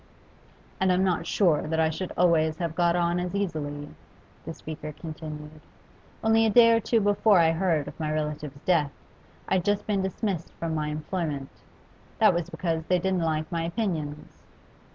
'And I'm not sure that I should always have got on as easily,' the speaker continued. 'Only a day or two before I heard of my relative's death, I'd just been dismissed from my employment; that was because they didn't like my opinions.